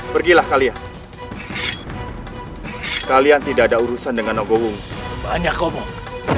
pergilah kalian kalian tidak ada urusan dengan ogowong banyak omong